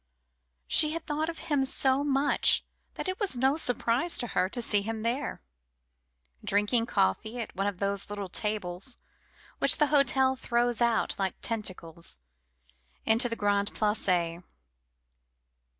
She had thought of him so much that it was no surprise to her to see him there, drinking coffee at one of the little tables which the hotel throws out like tentacles into the Grande Place.